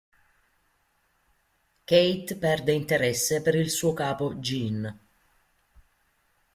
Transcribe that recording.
Kate perde interesse per il suo capo Gene.